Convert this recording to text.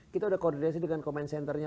kita sudah koordinasi dengan command centernya